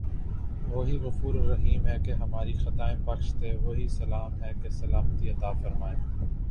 وہی غفورالرحیم ہے کہ ہماری خطائیں بخش دے وہی سلام ہے کہ سلامتی عطافرمائے